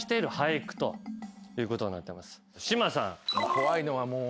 怖いのはもう。